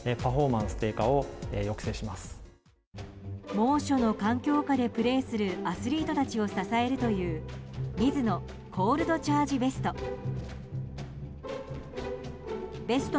猛暑の環境下でプレーするアスリートたちを支えるというミズノコールドチャージベスト。